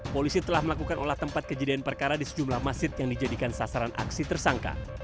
polisi telah melakukan olah tempat kejadian perkara di sejumlah masjid yang dijadikan sasaran aksi tersangka